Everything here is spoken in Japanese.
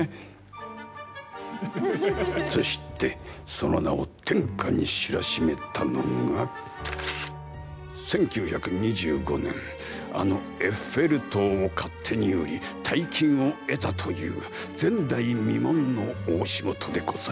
そしてその名を天下に知らしめたのが１９２５年あのエッフェル塔を勝手に売り大金を得たという前代未聞の大仕事でございます。